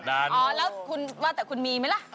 อ๋อแล้วคุณว่าแต่คุณมีไหมล่ะ